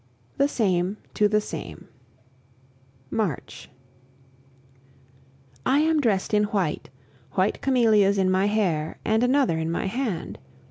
THE SAME TO THE SAME March. I am dressed in white white camellias in my hair, and another in my hand.